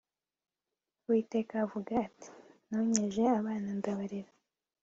uwiteka avuga ati “nonkeje abana ndabarera